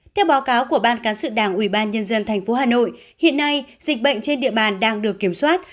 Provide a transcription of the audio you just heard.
theo báo cáo của ban cán sự đảng ubnd tp hà nội hiện nay dịch bệnh trên địa bàn đang được kiểm soát